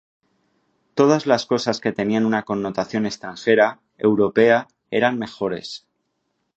Todas las cosas que tenían una connotación extranjera, europea, eran mejores".